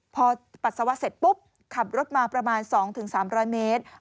พอปัสสาวะเสร็จปุ๊บขับรถมาประมาณ๒๓๐๐เมตร